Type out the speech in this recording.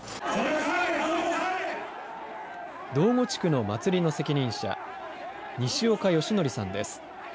道後地区の祭りの責任者、西岡義則さんです。